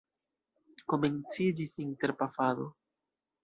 Komenciĝis interpafado.